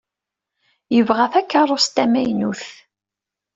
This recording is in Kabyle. Yebɣa takeṛṛust tamaynut.